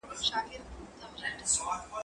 زه پرون د زده کړو تمرين کوم،